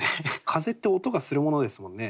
風って音がするものですもんね。